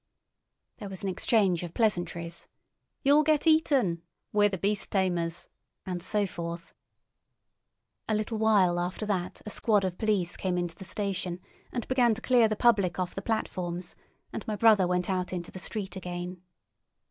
There was an exchange of pleasantries: "You'll get eaten!" "We're the beast tamers!" and so forth. A little while after that a squad of police came into the station and began to clear the public off the platforms, and my brother went out into the street again.